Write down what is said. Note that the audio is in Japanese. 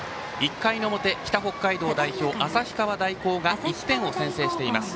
１回の表北北海道代表の旭川大高が１点を先制しています。